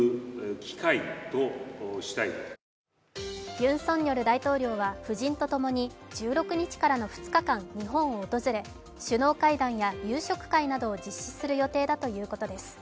ユン・ソンニョル大統領は夫人とともに１６日からの２日間日本を訪れ首脳会談や夕食会などを実施する予定だということです。